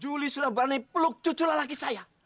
juli sudah berani peluk cucu lelaki saya